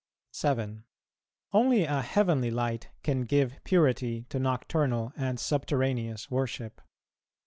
7. Only a heavenly light can give purity to nocturnal and subterraneous worship.